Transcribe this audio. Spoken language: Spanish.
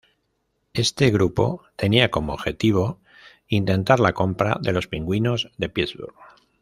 Este grupo tenía como objetivo intentar la compra de los Pingüinos de Pittsburgh.